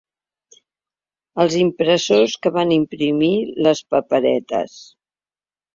Als impressors que van imprimir les paperetes.